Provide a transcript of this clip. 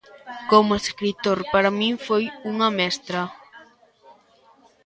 Como escritor, para min foi unha mestra.